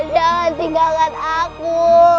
jangan tinggalkan aku